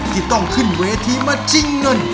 ที่ต้องขึ้นเวทีมาชิงเงิน